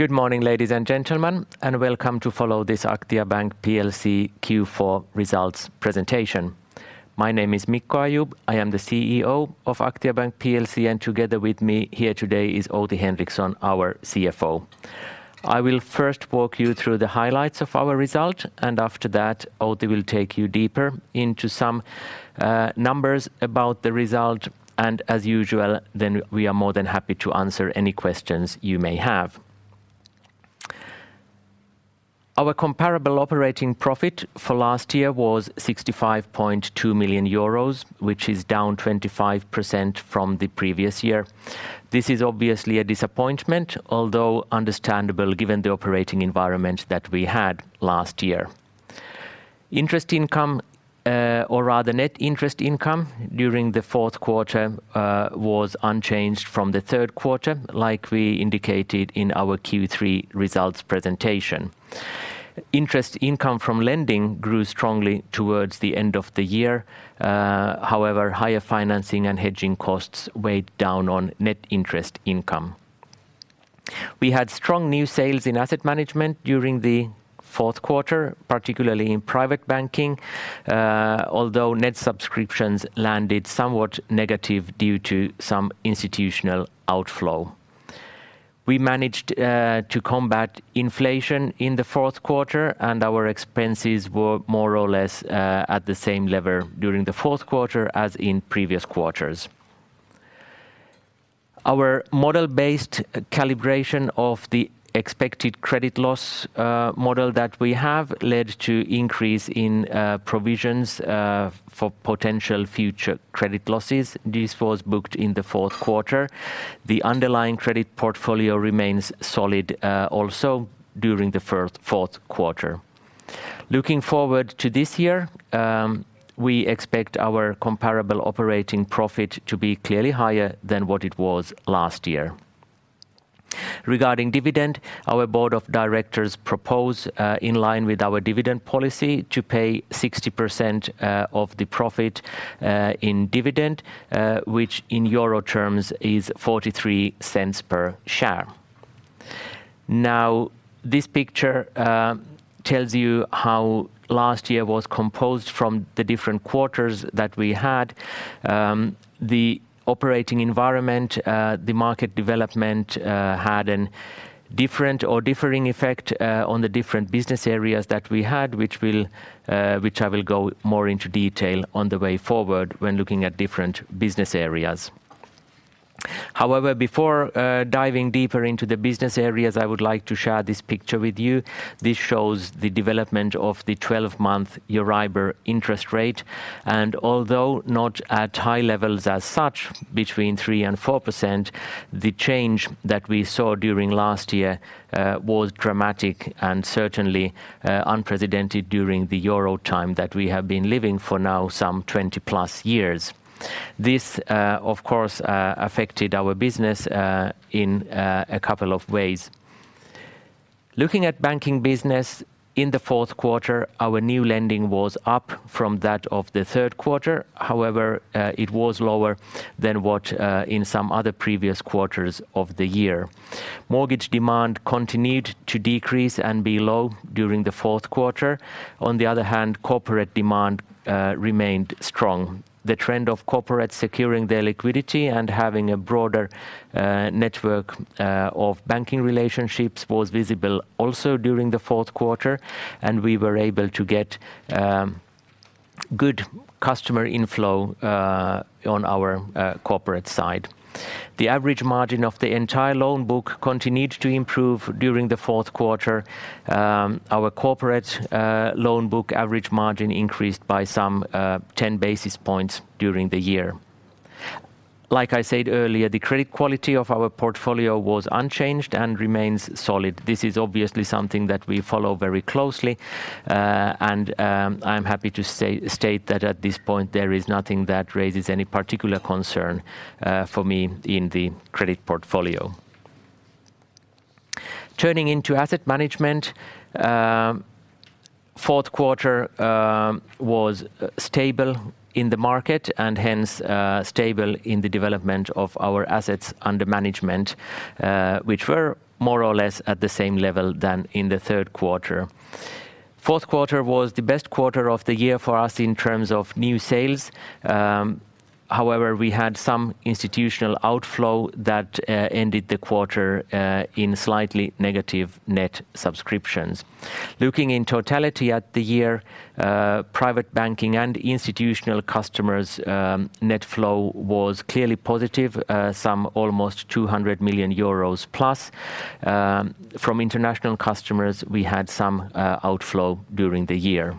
Good morning, ladies and gentlemen, and welcome to follow this Aktia Bank Plc Q4 results presentation. My name is Mikko Ayub. I am the CEO of Aktia Bank Plc, and together with me here today is Outi Henriksson, our CFO. I will first walk you through the highlights of our result, and after that, Outi will take you deeper into some numbers about the result. As usual, we are more than happy to answer any questions you may have. Our comparable operating profit for last year was 65.2 million euros, which is down 25% from the previous year. This is obviously a disappointment, although understandable given the operating environment that we had last year. Interest income, or rather net interest income during the Q4, was unchanged from the Q3, like we indicated in our Q3 results presentation. Interest income from lending grew strongly towards the end of the year. However, higher financing and hedging costs weighed down on net interest income. We had strong new sales in asset management during the Q4, particularly in private banking, although net subscriptions landed somewhat negative due to some institutional outflow. We managed to combat inflation in the Q4, and our expenses were more or less at the same level during the Q4 as in previous quarters. Our model-based calibration of the expected credit loss model that we have led to increase in provisions for potential future credit losses. This was booked in the Q4. The underlying credit portfolio remains solid also during the Q4. Looking forward to this year, we expect our comparable operating profit to be clearly higher than what it was last year. Regarding dividend, our board of directors propose, in line with our dividend policy, to pay 60% of the profit in dividend, which in EUR terms is 0.43 per share. This picture tells you how last year was composed from the different quarters that we had. The operating environment, the market development, had an different or differing effect on the different business areas that we had, which I will go more into detail on the way forward when looking at different business areas. Before diving deeper into the business areas, I would like to share this picture with you. This shows the development of the 12-month Euribor interest rate. Although not at high levels as such, between 3% and 4%, the change that we saw during last year was dramatic and certainly unprecedented during the Euro time that we have been living for now some 20-plus years. This, of course, affected our business in a couple of ways. Looking at banking business in the Q4, our new lending was up from that of the Q3. However, it was lower than what in some other previous quarters of the year. Mortgage demand continued to decrease and be low during the Q4. On the other hand, corporate demand remained strong. The trend of corporate securing their liquidity and having a broader network of banking relationships was visible also during the Q4, and we were able to get good customer inflow on our corporate side. The average margin of the entire loan book continued to improve during the Q4. Our corporate loan book average margin increased by some 10 basis points during the year. Like I said earlier, the credit quality of our portfolio was unchanged and remains solid. This is obviously something that we follow very closely. I'm happy to state that at this point there is nothing that raises any particular concern for me in the credit portfolio. Turning into asset management, Q4, was stable in the market and hence, stable in the development of our assets under management, which were more or less at the same level than in the Q3. Q4 was the best quarter of the year for us in terms of new sales. However, we had some institutional outflow that ended the quarter in slightly negative net subscriptions. Looking in totality at the year, private banking and institutional customers', net flow was clearly positive, some almost 200 million euros plus. From international customers, we had some outflow during the year.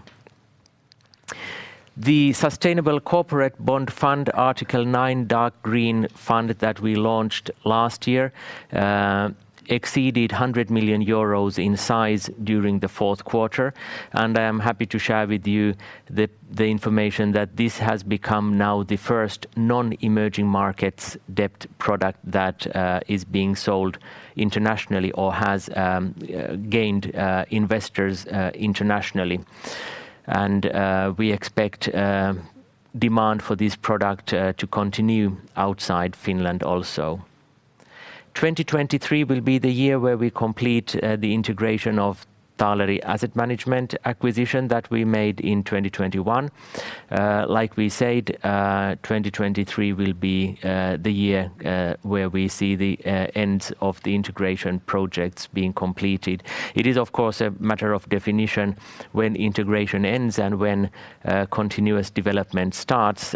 The Sustainable Corporate Bond Fund Article 9 Dark Green Fund that we launched last year, exceeded 100 million euros in size during the Q4. I'm happy to share with you the information that this has become now the first non-emerging markets debt product that is being sold internationally or has gained investors internationally. We expect demand for this product to continue outside Finland also. 2023 will be the year where we complete the integration of Taaleri Asset Management acquisition that we made in 2021. Like we said, 2023 will be the year where we see the end of the integration projects being completed. It is, of course, a matter of definition when integration ends and when continuous development starts.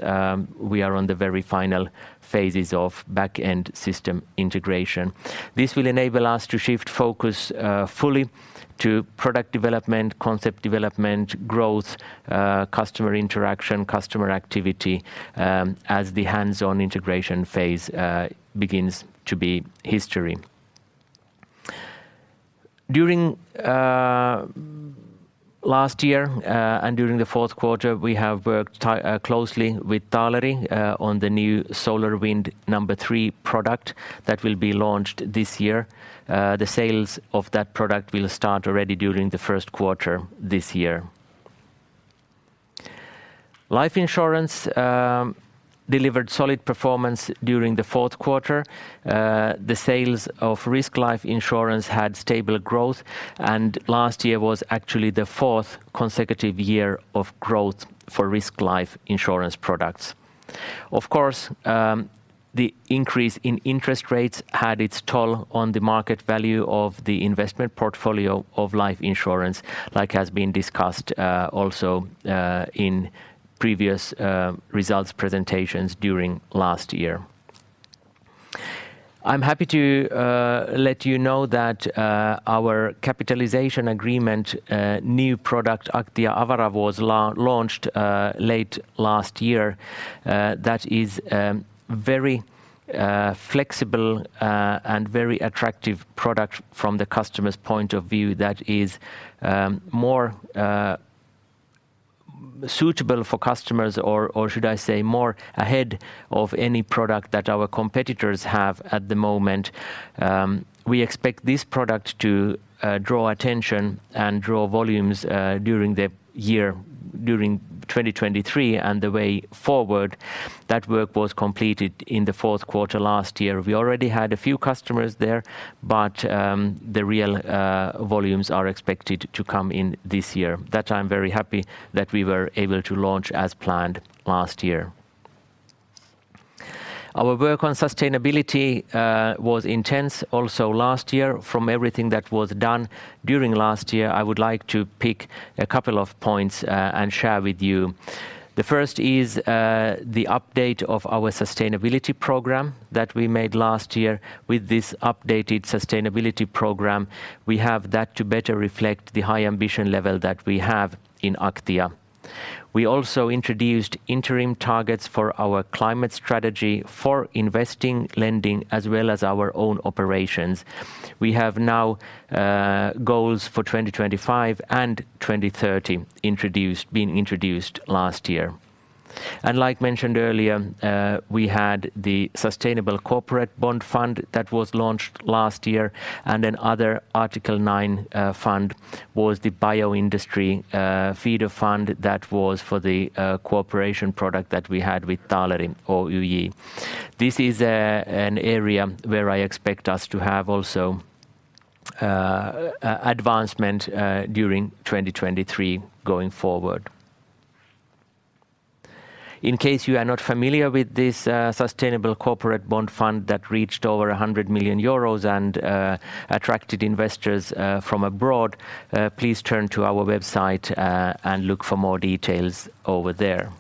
We are on the very final phases of back-end system integration. This will enable us to shift focus fully to product development, concept development, growth, customer interaction, customer activity, as the hands-on integration phase begins to be history. During last year, and during the Q4, we have worked closely with Taaleri on the new SolarWind III product that will be launched this year. The sales of that product will start already during the Q1 this year. Life insurance delivered solid performance during the Q4. The sales of risk life insurance had stable growth, and last year was actually the fourth consecutive year of growth for risk life insurance products. Of course, the increase in interest rates had its toll on the market value of the investment portfolio of life insurance, like has been discussed, also, in previous results presentations during last year. I'm happy to let you know that our capitalization agreement, new product Aktia Avara was launched late last year, that is very flexible and very attractive product from the customer's point of view that is more suitable for customers or should I say more ahead of any product that our competitors have at the moment. We expect this product to draw attention and draw volumes during the year, during 2023 and the way forward. That work was completed in the Q4 last year. We already had a few customers there. The real volumes are expected to come in this year. That I'm very happy that we were able to launch as planned last year. Our work on sustainability was intense also last year. From everything that was done during last year, I would like to pick a couple of points and share with you. The first is the update of our sustainability program that we made last year. With this updated sustainability program, we have that to better reflect the high ambition level that we have in Aktia. We also introduced interim targets for our climate strategy for investing, lending, as well as our own operations. We have now goals for 2025 and 2030 introduced last year. Like mentioned earlier, we had the Sustainable Corporate Bond Fund that was launched last year, and another Article 9 fund was the Bioindustry feeder fund that was for the cooperation product that we had with Taaleri Oyj. This is an area where I expect us to have also advancement during 2023 going forward. In case you are not familiar with this Sustainable Corporate Bond Fund that reached over 100 million euros and attracted investors from abroad, please turn to our website and look for more details over there.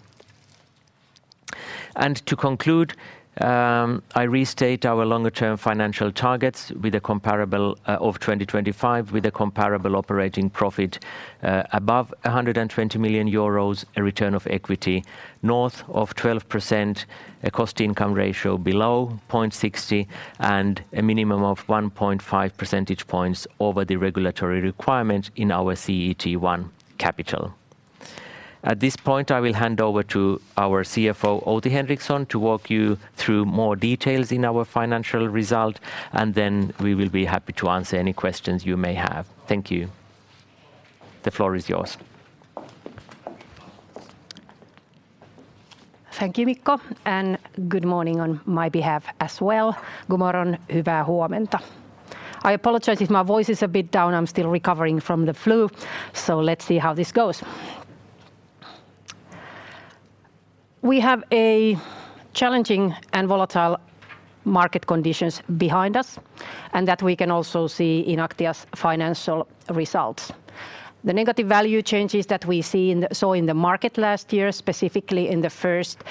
To conclude, I restate our longer-term financial targets with a comparable of 2025, with a comparable operating profit above 120 million euros, a return of equity north of 12%, a cost income ratio below 0.60, and a minimum of 1.5 percentage points over the regulatory requirement in our CET1 capital. At this point, I will hand over to our CFO Outi Henriksson to walk you through more details in our financial result, and then we will be happy to answer any questions you may have. Thank you. The floor is yours. Thank you, Mikko, and good morning on my behalf as well. God morgon. Hyvää huomenta. I apologize if my voice is a bit down. I'm still recovering from the flu. Let's see how this goes. We have a challenging and volatile market conditions behind us. That we can also see in Aktia's financial results. The negative value changes that we saw in the market last year, specifically in the first,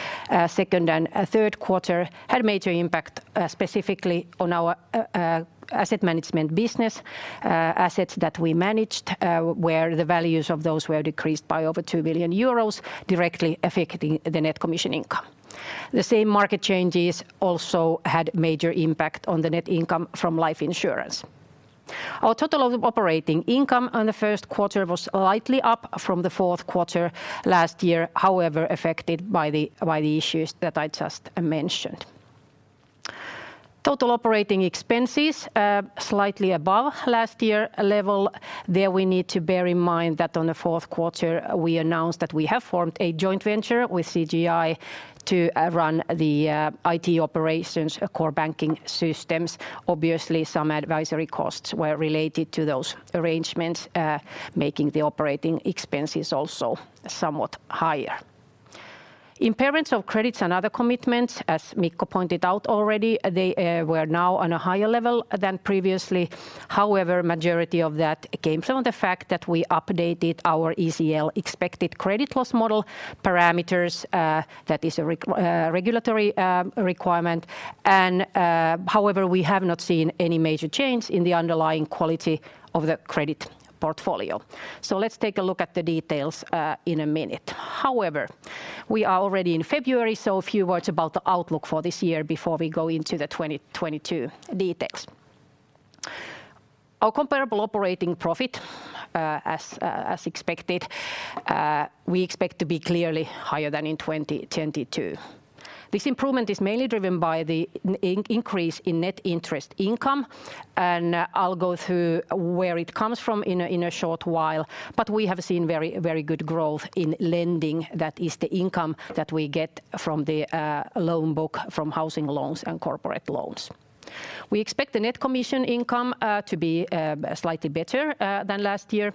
second, and Q3, had a major impact specifically on our asset management business, assets that we managed, where the values of those were decreased by over EUR 2 billion, directly affecting the net commission income. The same market changes also had major impact on the net income from life insurance. Our total operating income on the 1st quarter was slightly up from the 4th quarter last year, however, affected by the issues that I just mentioned. Total operating expenses, slightly above last year level. There we need to bear in mind that on the 4th quarter we announced that we have formed a joint venture with CGI to run the IT operations core banking systems. Obviously, some advisory costs were related to those arrangements, making the operating expenses also somewhat higher. Impairment of credits and other commitments, as Mikko pointed out already, they were now on a higher level than previously. However, majority of that came from the fact that we updated our ECL expected credit loss model parameters, that is a regulatory requirement, and... We have not seen any major change in the underlying quality of the credit portfolio. Let's take a look at the details in a minute. We are already in February, so a few words about the outlook for this year before we go into the 2022 details. Our comparable operating profit, as expected, we expect to be clearly higher than in 2022. This improvement is mainly driven by the increase in net interest income, and I'll go through where it comes from in a short while, but we have seen very good growth in lending. That is the income that we get from the loan book from housing loans and corporate loans. We expect the net commission income to be slightly better than last year.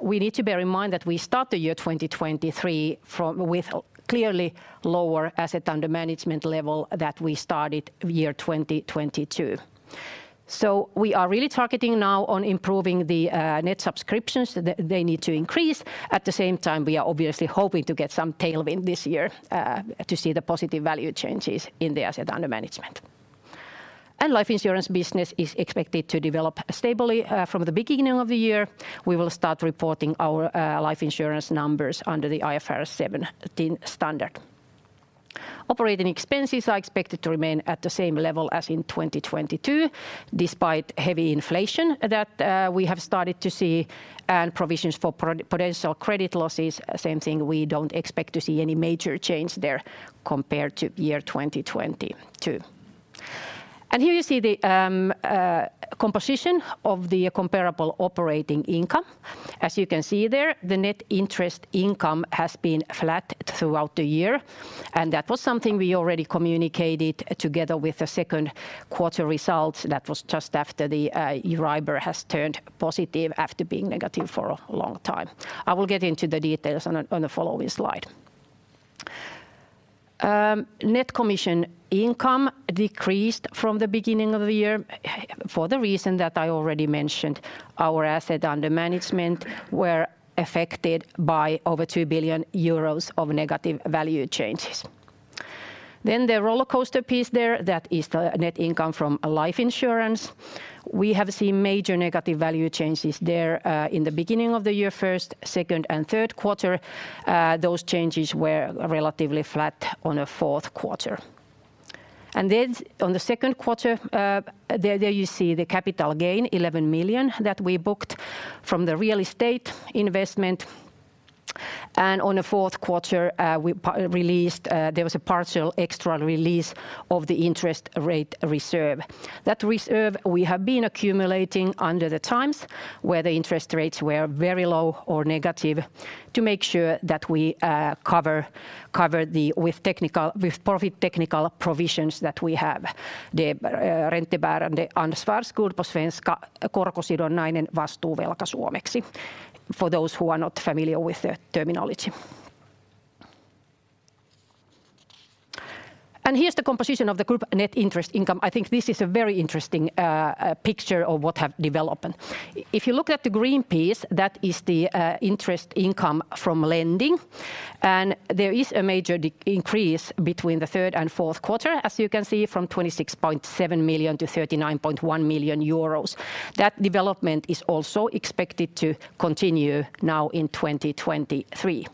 We need to bear in mind that we start the year 2023 with clearly lower asset under management level that we started year 2022. We are really targeting now on improving the net subscriptions. They need to increase. At the same time, we are obviously hoping to get some tailwind this year to see the positive value changes in the asset under management. Life insurance business is expected to develop stably from the beginning of the year. We will start reporting our life insurance numbers under the IFRS 17 standard. Operating expenses are expected to remain at the same level as in 2022, despite heavy inflation that we have started to see and provisions for potential credit losses. Same thing, we don't expect to see any major change there compared to year 2022. Here you see the composition of the comparable operating income. As you can see there, the net interest income has been flat throughout the year, and that was something we already communicated together with the 2nd quarter results. That was just after the EURIBOR has turned positive after being negative for a long time. I will get into the details on the following slide. Net commission income decreased from the beginning of the year for the reason that I already mentioned. Our asset under management were affected by over 2 billion euros of negative value changes. The rollercoaster piece there, that is the net income from life insurance. We have seen major negative value changes there in the beginning of the year, 1st, 2nd, and 3rd quarter. Those changes were relatively flat on the 4th quarter. On the Q2, you see the capital gain, 11 million, that we booked from the real estate investment. On the Q4, we released, there was a partial extra release of the interest rate reserve. That reserve we have been accumulating under the times where the interest rates were very low or negative to make sure that we cover with profit technical provisions that we have. The räntebärande ansvarsskuld på svenska. Korkosidonnainen vastuuvelka suomeksi. For those who are not familiar with the terminology. Here's the composition of the group net interest income. I think this is a very interesting picture of what have developed. If you look at the green piece, that is the interest income from lending, there is a major increase between the third and Q4, as you can see, from 26.7 million to 39.1 million euros. That development is also expected to continue now in 2023.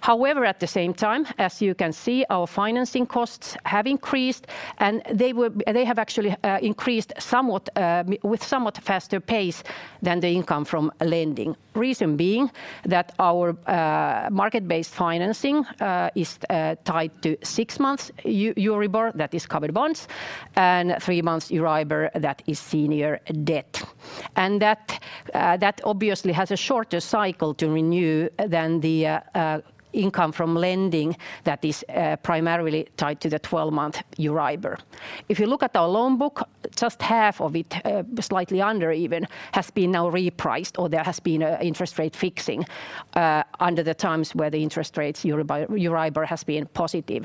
However, at the same time, as you can see, our financing costs have increased, they have actually increased somewhat with somewhat faster pace than the income from lending. Reason being that our market-based financing is tied to six months Euribor, that is covered bonds, and three months Euribor, that is senior debt. That obviously has a shorter cycle to renew than the income from lending that is primarily tied to the 12-month Euribor. If you look at our loan book, just half of it, slightly under even, has been now repriced, or there has been a interest rate fixing, under the times where the interest rates Euribor has been positive.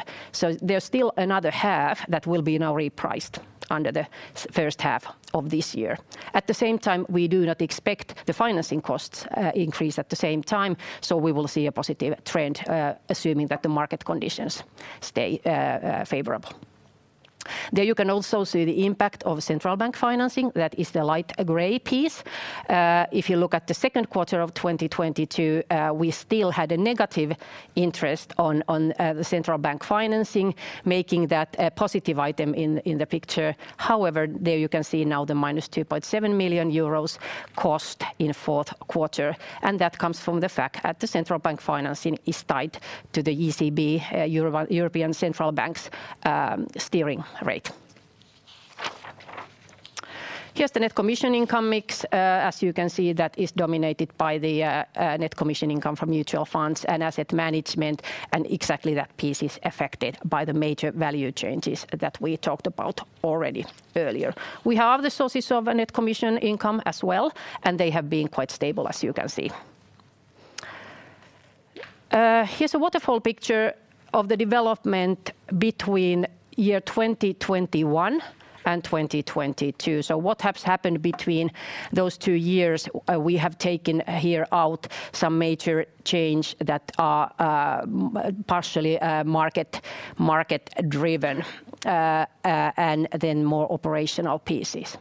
There's still another half that will be now repriced under the H1 of this year. At the same time, we do not expect the financing costs, increase at the same time. We will see a positive trend, assuming that the market conditions stay favorable. There you can also see the impact of central bank financing. That is the light gray piece. If you look at the Q2 of 2022, we still had a negative interest on the central bank financing, making that a positive item in the picture. There you can see now the -2.7 million euros cost in Q4. That comes from the fact that the central bank financing is tied to the ECB, European Central Bank's steering rate. Here's the net commission income mix. As you can see, that is dominated by the net commission income from mutual funds and asset management. Exactly that piece is affected by the major value changes that we talked about already earlier. We have the sources of a net commission income as well. They have been quite stable as you can see. Here's a waterfall picture of the development between year 2021 and 2022. What has happened between those two years, we have taken here out some major change that partially market-driven and then more operational pieces.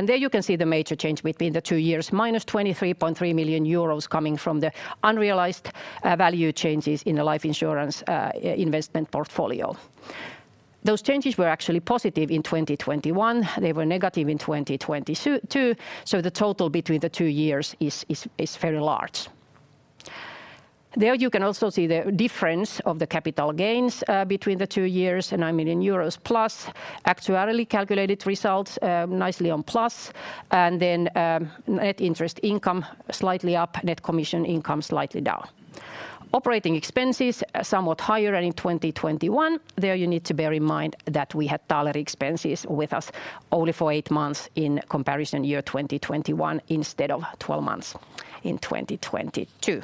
There you can see the major change between the two years, -23.3 million euros coming from the unrealized value changes in the life insurance investment portfolio. Those changes were actually positive in 2021. They were negative in 2022, so the total between the two years is very large. There you can also see the difference of the capital gains between the two years, 9 million euros plus. Actuarially calculated results nicely on plus, net interest income slightly up, net commission income slightly down. Operating expenses somewhat higher in 2021. There you need to bear in mind that we had Taaleri expenses with us only for eight months in comparison year 2021 instead of 12 months in 2022.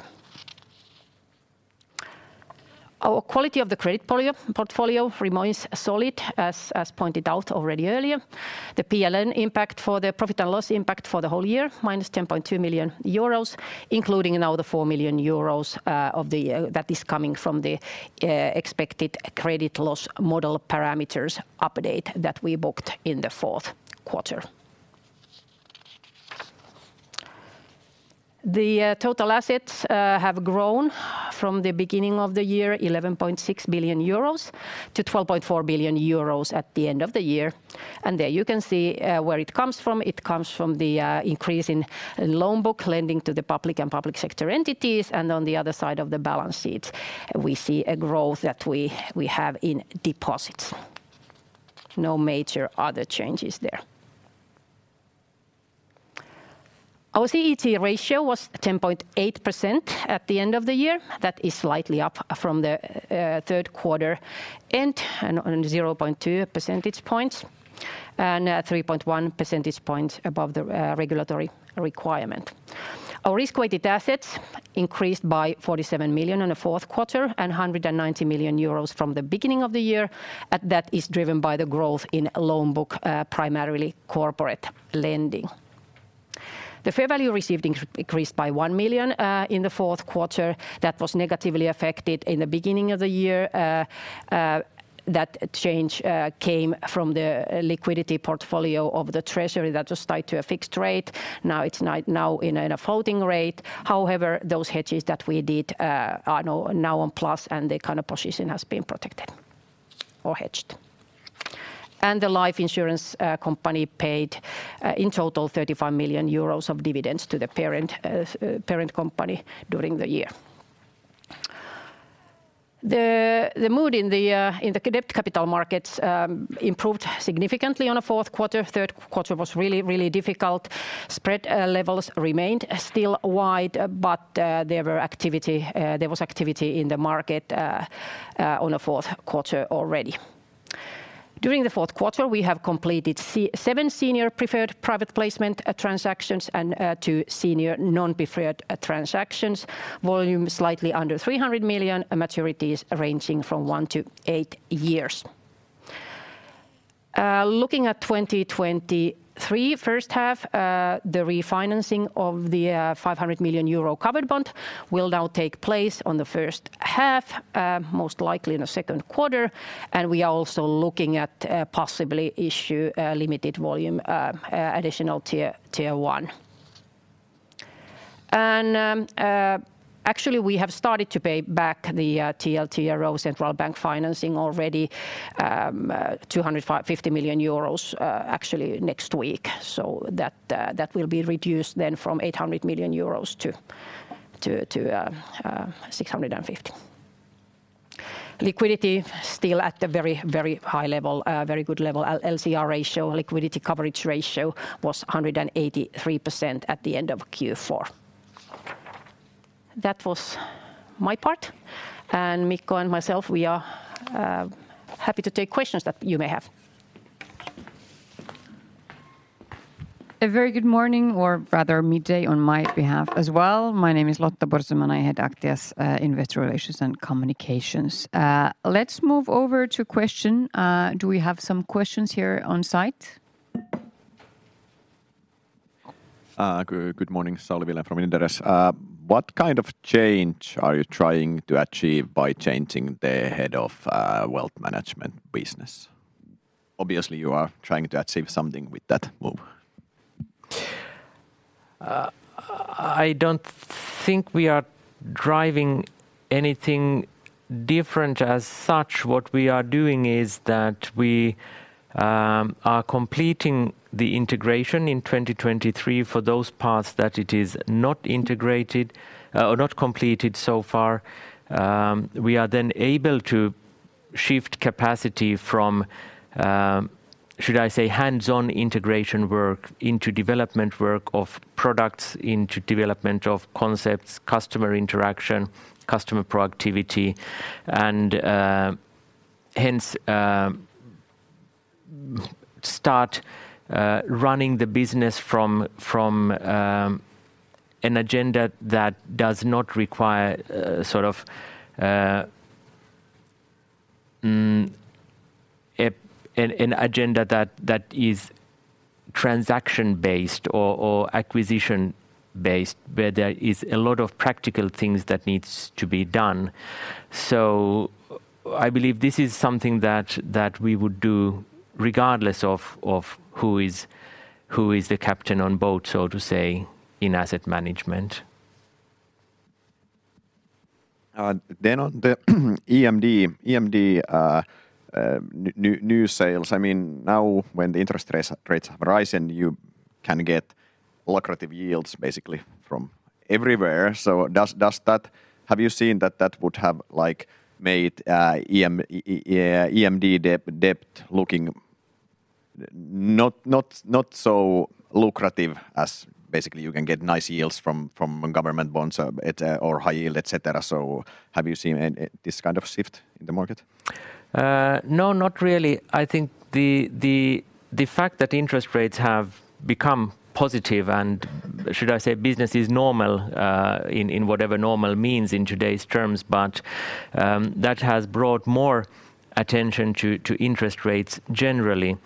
Our quality of the credit portfolio remains solid as pointed out already earlier. The P&L impact for the profit and loss impact for the whole year, -10.2 million euros, including now the 4 million euros that is coming from the expected credit loss model parameters update that we booked in the 4th quarter. The total assets have grown from the beginning of the year, 11.6 billion euros to 12.4 billion euros at the end of the year. There you can see where it comes from. It comes from the increase in loan book lending to the public and public sector entities. On the other side of the balance sheet we see a growth that we have in deposits. No major other changes there. Our CET ratio was 10.8% at the end of the year. That is slightly up from the Q3 end During the Q4, we have completed seven senior preferred private placement transactions and two senior non-preferred transactions. Volume slightly under 300 million, and maturities ranging from one-eight years. Looking at 2023 H1, The refinancing of the 500 million euro covered bond will now take place on the H1, most likely in the Q2, and we are also looking at possibly issue a limited volume, additional Tier 1. Actually we have started to pay back the TLTRO central bank financing already 250 million euros actually next week. That will be reduced then from 800 million euros to 650 million. Liquidity still at a very, very high level, a very good level. LCR ratio, liquidity coverage ratio was 183% at the end of Q4. That was my part, and Mikko and myself, we are happy to take questions that you may have. A very good morning or rather midday on my behalf as well. My name is Lotta Borgström, and I head Aktia's Investor Relations and Communications. Let's move over to question. Do we have some questions here on site? Good, good morning. Sauli Vilén from Inderes. What kind of change are you trying to achieve by changing the head of wealth management business? Obviously, you are trying to achieve something with that move. I don't think we are driving anything different as such. What we are doing is that we are completing the integration in 2023 for those parts that it is not integrated or not completed so far. We are then able to shift capacity from should I say hands-on integration work into development work of products into development of concepts, customer interaction, customer productivity, and hence start running the business from an agenda that does not require sort of an agenda that is transaction-based or acquisition-based where there is a lot of practical things that needs to be done. I believe this is something that we would do regardless of who is the captain on boat, so to say, in asset management. On the EMD new sales, I mean, now when the interest rates have risen, you can get lucrative yields basically from everywhere. Have you seen that that would have, like, made EMD debt looking not so lucrative as basically you can get nice yields from government bonds at or high yield, et cetera? Have you seen any this kind of shift in the market? No, not really. I think the fact that interest rates have become positive, and should I say business is normal, in whatever normal means in today's terms, but that has brought more attention to interest rates generally.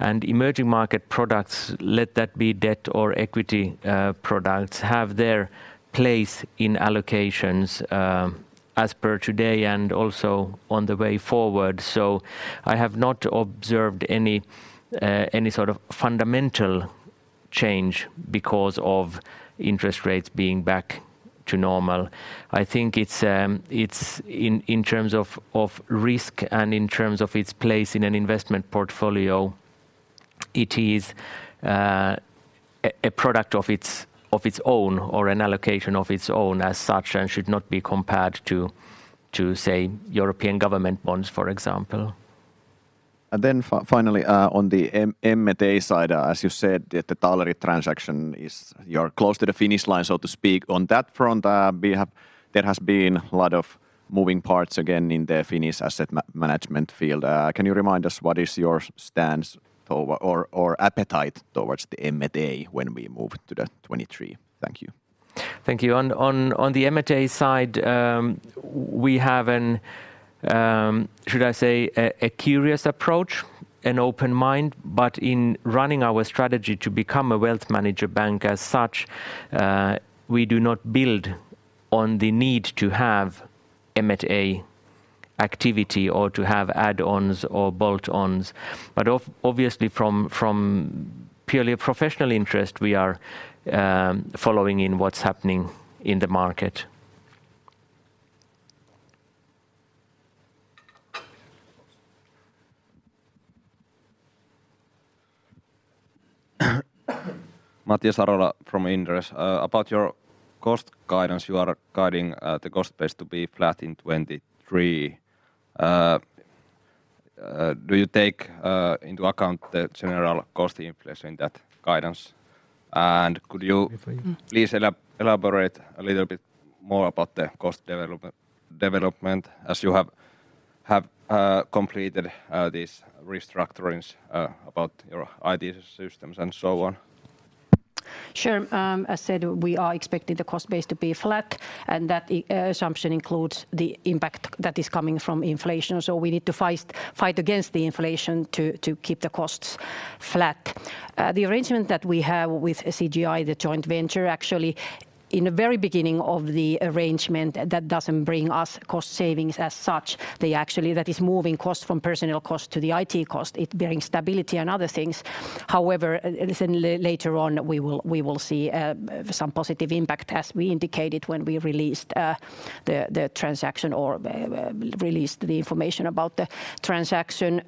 Emerging market products, let that be debt or equity products, have their place in allocations as per today and also on the way forward. I have not observed any sort of fundamental change because of interest rates being back to normal. I think it's in terms of risk and in terms of its place in an investment portfolio, it is a product of its own or an allocation of its own as such and should not be compared to say European government bonds, for example. Finally, on the M&A side, as you said, the Taaleri transaction. You're close to the finish line, so to speak. On that front, there has been a lot of moving parts again in the Finnish asset management field. Can you remind us what is your stance or appetite towards the M&A when we move to 2023? Thank you. Thank you. On the M&A side, we have an, should I say a curious approach, an open mind, in running our strategy to become a wealth manager bank as such, we do not build on the need to have M&A activity or to have add-ons or bolt-ons. Obviously from purely a professional interest, we are following in what's happening in the market. Matias Arola from Inderes. About your cost guidance, you are guiding the cost base to be flat in 2023. Do you take into account the general cost inflation in that guidance? Could you please elaborate a little bit more about the cost development as you have completed these restructurings about your ID systems and so on? Sure. As said, we are expecting the cost base to be flat, and that assumption includes the impact that is coming from inflation. We need to fight against the inflation to keep the costs flat. The arrangement that we have with CGI, the joint venture, actually in the very beginning of the arrangement, that doesn't bring us cost savings as such. That is moving costs from personnel cost to the IT cost. It brings stability and other things. However, certainly later on we will see some positive impact as we indicated when we released the transaction or released the information about the transaction.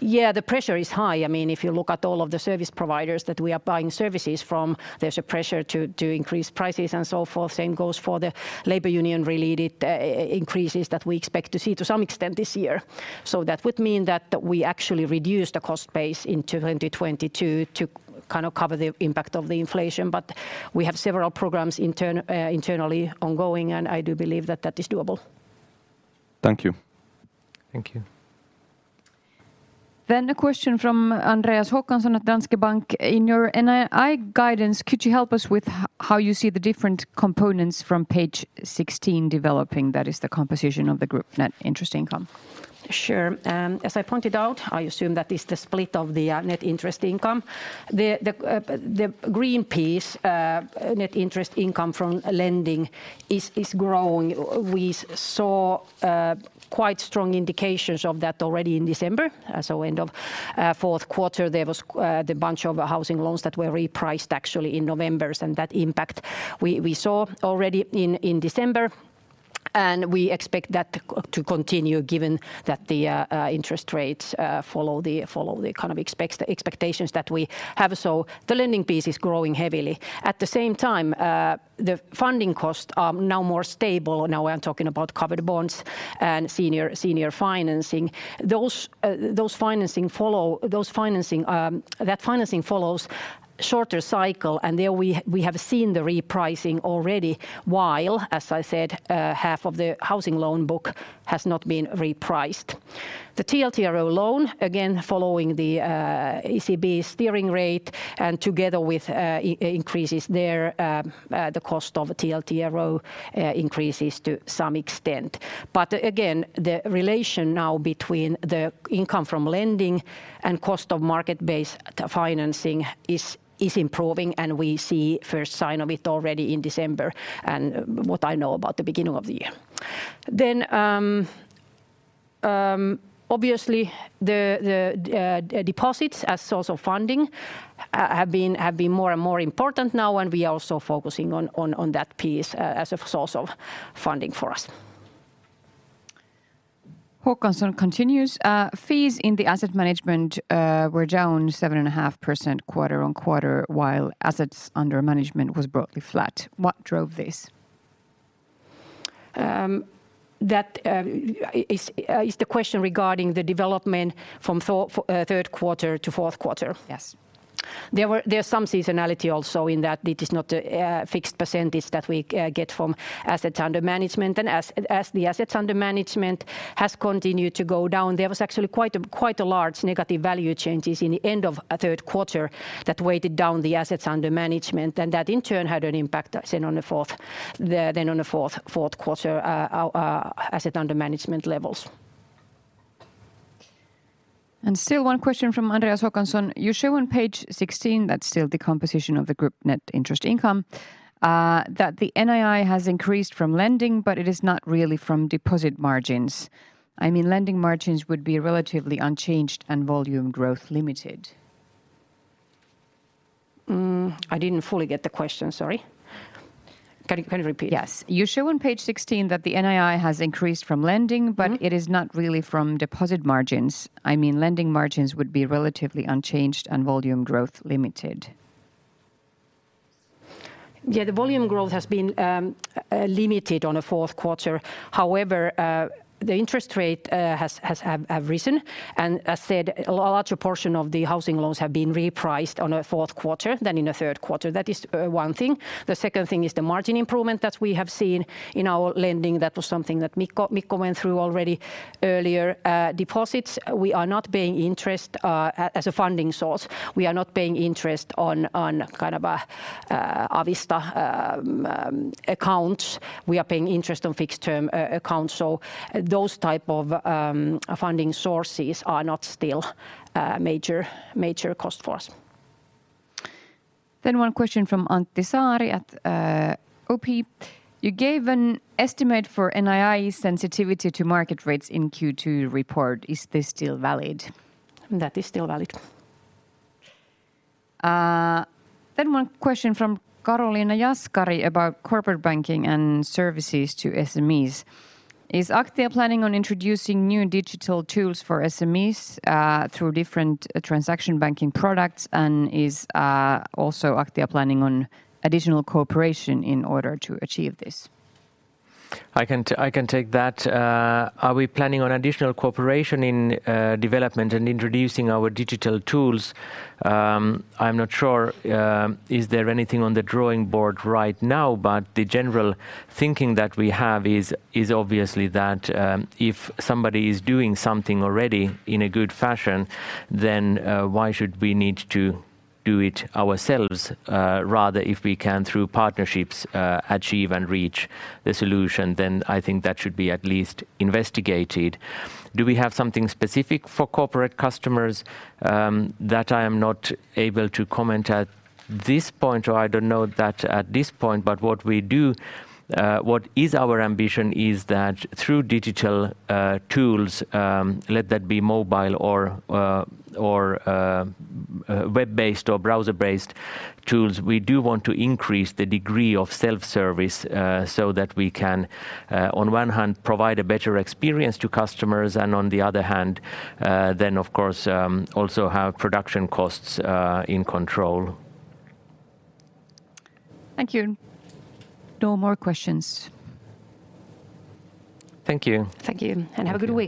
The pressure is high. I mean, if you look at all of the service providers that we are buying services from, there's a pressure to increase prices and so forth. Same goes for the labor union related increases that we expect to see to some extent this year. That would mean that we actually reduce the cost base in 2022 to kind of cover the impact of the inflation. We have several programs internally ongoing, and I do believe that that is doable. Thank you. Thank you. A question from Andreas Håkansson at Danske Bank. In your NII guidance, could you help us with how you see the different components from page 16 developing? That is the composition of the group net interest income. Sure. As I pointed out, I assume that is the split of the net interest income. The green piece, net interest income from lending is growing. We saw quite strong indications of that already in December. End of Q4, there was the bunch of housing loans that were repriced actually in November, and that impact we saw already in December. We expect that to continue given that the interest rates follow the economy expectations that we have. The lending piece is growing heavily. At the same time, the funding costs are now more stable. Now I'm talking about covered bonds and senior financing. Those financing follow... Those financing, that financing follows shorter cycle, there we have seen the repricing already, while, as I said, half of the housing loan book has not been repriced. The TLTRO loan, again, following the ECB steering rate and together with increases there, the cost of TLTRO increases to some extent. Again, the relation now between the income from lending and cost of market-based financing is improving, and we see first sign of it already in December, and what I know about the beginning of the year. Obviously the deposits as source of funding have been more and more important now, and we are also focusing on that piece as a source of funding for us. Fees in the asset management, were down seven and a half % quarter-on-quarter, while assets under management was broadly flat. What drove this? That is the question regarding the development from Q3 to Q4? Yes. There's some seasonality also in that it is not a fixed percentage that we get from assets under management. And as the assets under management has continued to go down, there was actually quite a, quite a large negative value changes in the end of Q3 that weighted down the assets under management, and that in turn had an impact then on the Q4 asset under management levels. Still one question from Andreas Håkansson. You show on page 16, that's still the composition of the group net interest income, that the NII has increased from lending, but it is not really from deposit margins. I mean, lending margins would be relatively unchanged and volume growth limited. I didn't fully get the question, sorry. Can you repeat? Yes. You show on page 16 that the NII has increased from lending. It is not really from deposit margins. I mean, lending margins would be relatively unchanged and volume growth limited. The volume growth has been limited on the Q4. However, the interest rate has risen, and as said, a larger portion of the housing loans have been repriced on the Q4 than in the Q3. That is one thing. The second thing is the margin improvement that we have seen in our lending. That was something that Mikko went through already earlier. Deposits, we are not paying interest as a funding source. We are not paying interest on kind of an a vista account. We are paying interest on fixed-term accounts. Those type of funding sources are not still major cost for us. One question from Antti Saari at OP. You gave an estimate for NII sensitivity to market rates in Q2 report. Is this still valid? That is still valid. One question from Karolina Jaskari about corporate banking and services to SMEs. Is Aktia planning on introducing new digital tools for SMEs, through different transaction banking products, and is also Aktia planning on additional cooperation in order to achieve this? I can take that. Are we planning on additional cooperation in development and introducing our digital tools? I'm not sure, is there anything on the drawing board right now, but the general thinking that we have is obviously that, if somebody is doing something already in a good fashion, then, why should we need to do it ourselves? Rather, if we can, through partnerships, achieve and reach the solution, then I think that should be at least investigated. Do we have something specific for corporate customers? That I am not able to comment at this point, or I don't know that at this point. What we do, what is our ambition is that through digital tools, let that be mobile or web-based or browser-based tools, we do want to increase the degree of self-service, so that we can on one hand, provide a better experience to customers and on the other hand, then of course, also have production costs in control. Thank you. No more questions. Thank you. Thank you, and have a good week.